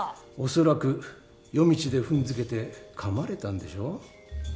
恐らく夜道で踏んづけてかまれたんでしょ？